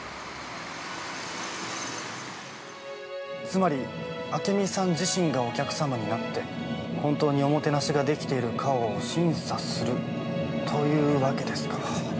◆つまり、あけみさん自身がお客様になって本当におもてなしができているかを審査するというわけですか。